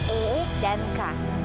e dan k